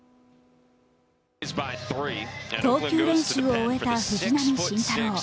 投球練習を終えた藤浪晋太郎。